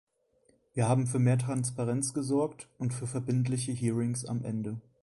Wir haben für mehr Transparenz gesorgt und für verbindliche Hearings am Ende.